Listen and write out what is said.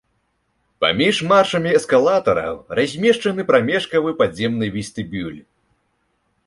Паміж маршамі эскалатараў размешчаны прамежкавы падземны вестыбюль.